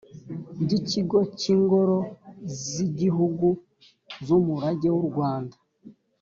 by ikigo cy ingoro z igihugu z umurage w urwanda